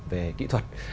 về kỹ thuật